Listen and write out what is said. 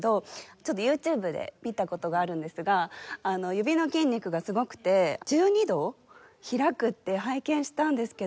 ちょっとＹｏｕＴｕｂｅで見た事があるんですが指の筋肉がすごくて１２度開くって拝見したんですけど本当ですか？